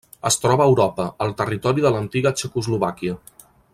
Es troba a Europa: el territori de l'antiga Txecoslovàquia.